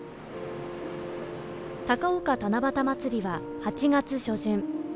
「高岡七夕まつり」は８月初旬。